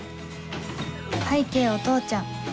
拝啓お父ちゃん